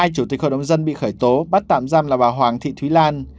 hai chủ tịch hội đồng dân bị khởi tố bắt tạm giam là bà hoàng thị thúy lan